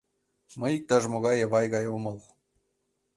Мый иктаж-могай Эвай гай омыл.